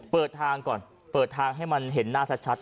เปิดทางก่อนเปิดทางให้มันเห็นหน้าชัด